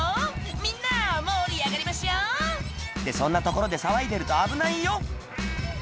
「みんな盛り上がりましょう！」ってそんな所で騒いでると危ないよ